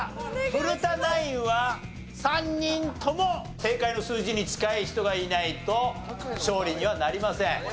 古田ナインは３人とも正解の数字に近い人がいないと勝利にはなりません。